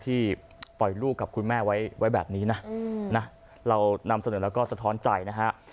ที่ปล่อยลูกกับคุณแม่ไว้แบบนี้นะเรานำเสนอแล้วก็สะท้อนใจนะฮะ